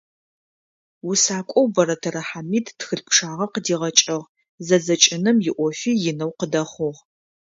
Усакӏоу Бэрэтэрэ Хьамид тхылъ пчъагъэ къыдигъэкӏыгъ, зэдзэкӏыным иӏофи инэу къыдэхъугъ.